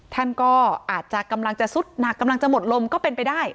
ท่านก็อาจจะกำลังจะสุดหนักกำลังจะหมดลมก็เป็นไปได้